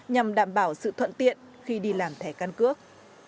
nhằm đảm bảo sự thuận tiện khi đi làm thẻ căn cước